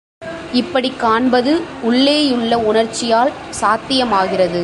இப்படிக் காண்பது உள்ளேயுள்ள உணர்ச்சியால் சாத்தியமாகிறது.